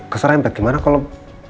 keserahin pat gimana kalau